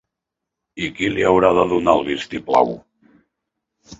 I qui l'haurà de donar el vistiplau?